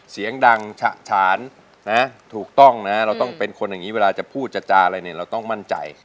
เสียงดังฉะฉานนะถูกต้องนะเราต้องเป็นคนอย่างนี้เวลาจะพูดจะจาอะไรเนี่ยเราต้องมั่นใจ